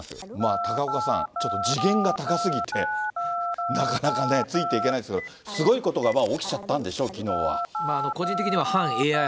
高岡さん、ちょっと次元が高すぎて、なかなかね、ついていけないですけど、すごいことが起きちゃったんでしょう、きのうは。